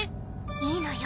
いいのよ。